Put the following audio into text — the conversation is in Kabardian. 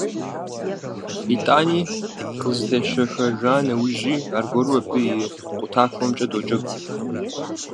ИтӀани, къызэтещэхэжа нэужьи, аргуэру абы и къутахуэхэмкӀэ доджэгу.